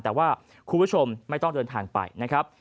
แต่ว่าคุณผู้ชมไม่ต้องเดินทางไปนะครับ